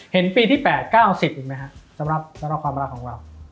เห็นปีที่๘๙๐อีกไหมครับสำหรับความรักของเรา